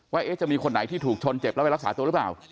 ว่าจะมีคนไหนที่ถูกชนเจ็บแล้วไปรักษาตัวหรือเปล่า